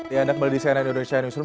ya anda kembali di cnn indonesia newsroom